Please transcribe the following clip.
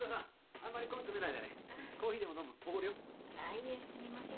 あいえすみません。